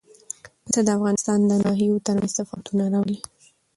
پسه د افغانستان د ناحیو ترمنځ تفاوتونه راولي.